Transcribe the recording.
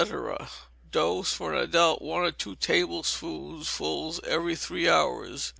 Dose, for an adult, one or two tablespoonfuls every three hours.